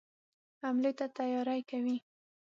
حملې ته تیاری کوي.